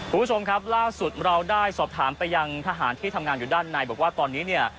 คุณผู้ชมครับล่าสุดเราได้สอบถามไปยังทหารที่ทำงานอยู่ด้านในบอกว่าตอนนี้เนี่ย